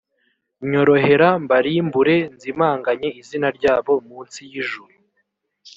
nyorohera mbarimbure, nzimanganye izina ryabo mu nsi y’ijuru;